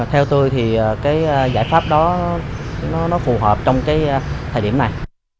theo tôi thì cái giải pháp đó nó phù hợp trong cái thời điểm này